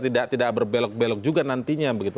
tidak berbelok belok juga nantinya begitu